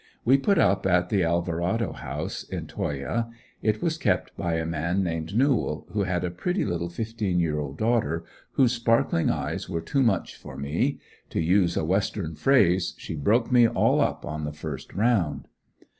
We put up at the Alverado House, in Toyah. It was kept by a man named Newell, who had a pretty little fifteen year old daughter, whose sparkling eyes were too much for me; to use a western phrase, she broke me all up on the first round.